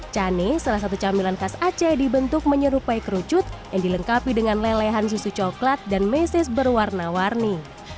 cane salah satu camilan khas aceh dibentuk menyerupai kerucut yang dilengkapi dengan lelehan susu coklat dan meses berwarna warni